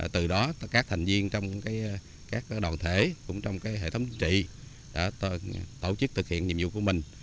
từ đó các thành viên trong các đoàn thể cũng trong hệ thống chính trị tổ chức thực hiện nhiệm vụ của mình